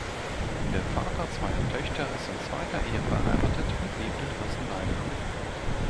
Der Vater zweier Töchter ist in zweiter Ehe verheiratet und lebt in Fürstenwalde.